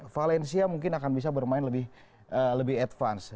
valencia mungkin akan bisa bermain lebih advance